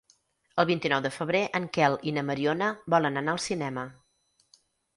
El vint-i-nou de febrer en Quel i na Mariona volen anar al cinema.